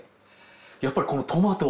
やっぱりこのトマト。